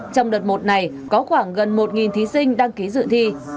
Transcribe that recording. trong đợt một này có khoảng gần một thí sinh đăng ký dự thi